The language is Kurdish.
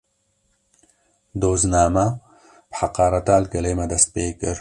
Dozname, bi heqareta li gelê me dest pê dikir